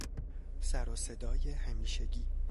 سر و صدای همیشگی